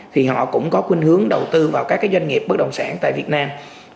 thì họ cũng có khuyên hướng đầu tư vào các doanh nghiệp bất động sản tại việt nam